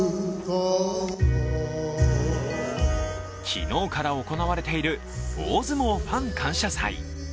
昨日から行われている大相撲ファン感謝祭。